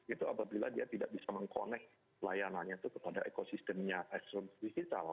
itu apabila dia tidak bisa meng connect layanannya itu kepada ekosistemnya digital